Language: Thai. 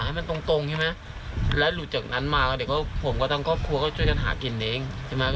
ให้มันตรงตรงใช่ไหมแล้วหลุดจากนั้นมาก็เดี๋ยวผมกับทั้งครอบครัวก็ช่วยกันหากินเองใช่ไหม